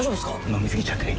飲みすぎちゃってね